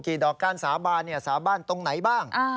ดอกก้านสาบานสาบานตรงไหนบ้าง